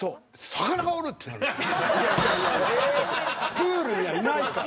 プールにはいないから。